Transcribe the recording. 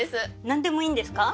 何でもいいんですか？